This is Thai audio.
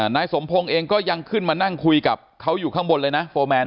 นายสมพงศ์เองก็ยังขึ้นมานั่งคุยกับเขาอยู่ข้างบนเลยนะโฟร์แมน